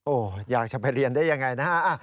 โอ้โหอยากจะไปเรียนได้ยังไงนะฮะ